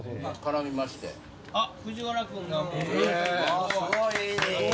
あっ藤原君がもう。